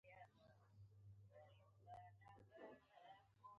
زه د شپې درس ویل غوره ګڼم.